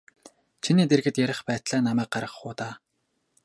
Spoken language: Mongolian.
Чиний дэргэд ярих байтлаа намайг гаргах уу даа.